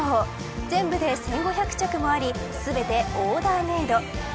全部で１５００着もあり全てオーダーメード。